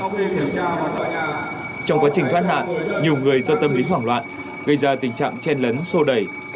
trong quá trình thoát nạn nhiều người do tâm lý hoảng loạn gây ra tình trạng chen lấn sô đẩy